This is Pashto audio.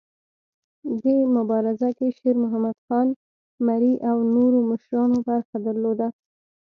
دې مبارزه کې شیرمحمد خان مري او نورو مشرانو برخه درلوده.